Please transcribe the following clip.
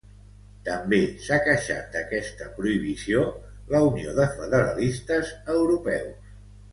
També s'ha queixat d'aquesta prohibició la Unió de Federalistes Europeus